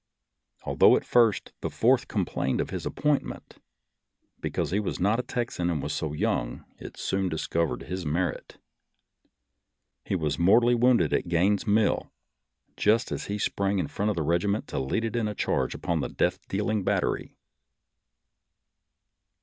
Although at first the Fourth complained of his appoint ment, because he was not a Texan and was so young, it soon discovered his merit. He was mortally wounded at Gaines' Mill, just as he sprang in front of the regiment to lead it in a charge upon a death dealing battery.